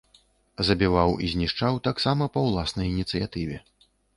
Забіваў і знішчаў таксама па ўласнай ініцыятыве.